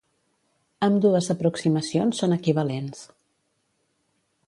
Ambdues aproximacions són equivalents.